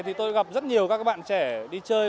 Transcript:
thì tôi gặp rất nhiều các bạn trẻ đi chơi